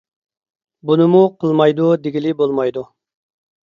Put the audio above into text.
بۇنىمۇ قىلمايدۇ دېگىلى بولمايدۇ.